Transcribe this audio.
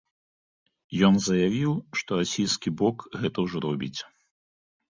Ён заявіў, што расійскі бок гэта ўжо робіць.